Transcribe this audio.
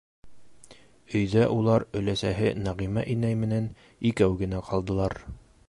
Өйҙә улар өләсәһе Нәғимә инәй менән икәү генә ҡалдылар.